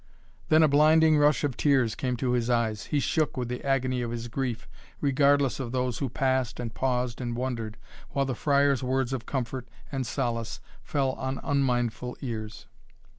Then a blinding rush of tears came to his eyes. He shook with the agony of his grief regardless of those who passed and paused and wondered, while the friar's words of comfort and solace fell on unmindful ears.